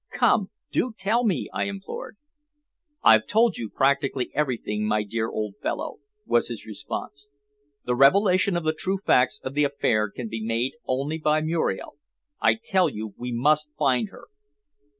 "Come, do tell me!" I implored. "I've told you practically everything, my dear old fellow," was his response. "The revelation of the true facts of the affair can be made only by Muriel. I tell you, we must find her."